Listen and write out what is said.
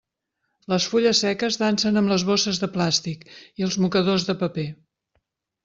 Les fulles seques dansen amb les bosses de plàstic i els mocadors de paper.